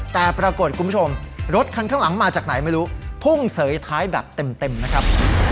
แต่ปรากฏคุณผู้ชมรถคันข้างหลังมาจากไหนไม่รู้พุ่งเสยท้ายแบบเต็มนะครับ